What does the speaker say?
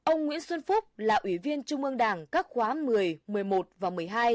ông nguyễn xuân phúc là ủy viên trung ương đảng các khóa một mươi một mươi một và một mươi hai